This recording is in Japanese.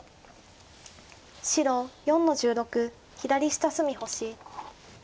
白４の十六左下隅星。